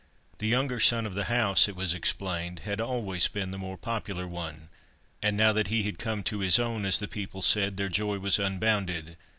The younger son of the house, it was explained, had always been the more popular one. And now that he had "come to his own," as the people said, their joy was unbounded.